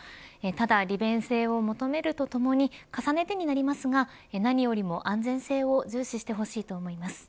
ただ、利便性を求めるとともに重ねてになりますが何よりも安全性を重視してほしいと思います。